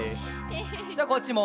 じゃこっちも。